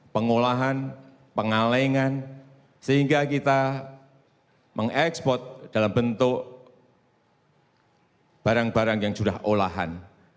pengolahan pengalengan sehingga kita mengekspor dalam bentuk barang barang yang sudah olahan